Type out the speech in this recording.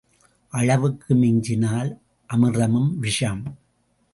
அளவுக்கு மிஞ்சினால் அமிர்தமும் விஷம்.